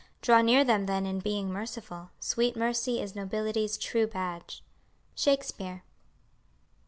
Draw near them then in being merciful, Sweet mercy is nobility's true badge." SHAKESPEARE.